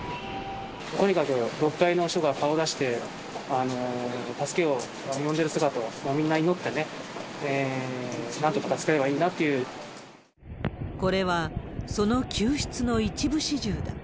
とにかく６階の人が顔出して、助けを呼んでる姿を、みんな祈ってね、これは、その救出の一部始終だ。